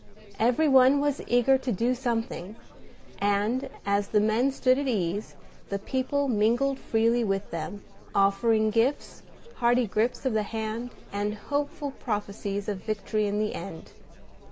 Every one was eager to do something; and, as the men stood at ease, the people mingled freely with them, offering gifts, hearty grips of the hand, and hopeful prophecies of victory in the end.